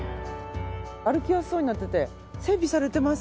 歩きやすそうになっていて整備されていますね。